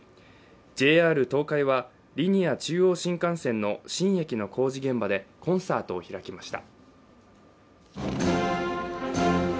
ＪＲ東海はリニア中央新幹線の新駅の工事現場でコンサートを開きました。